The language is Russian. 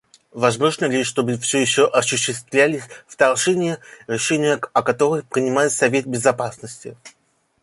Возможно ли, чтобы все еще осуществлялись вторжения, решение о которых принимает Совет Безопасности?